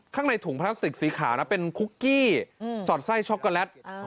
ข้างในถุงพลาสติกสีขาวนะเป็นคุกกี้สอดไส้ช็อกโกแลต